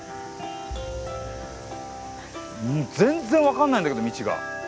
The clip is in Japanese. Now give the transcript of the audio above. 全然分かんないんだけど道が。